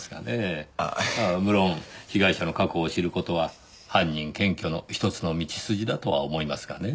ああ無論被害者の過去を知る事は犯人検挙のひとつの道筋だとは思いますがね。